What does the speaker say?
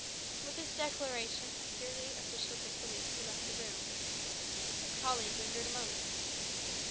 With this declaration of purely official disbelief, he left the room. His colleague lingered a moment.